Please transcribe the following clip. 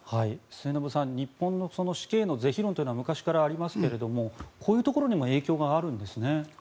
末延さん日本の死刑の是非論というのは昔からありますがこういうところにも影響があるんですね。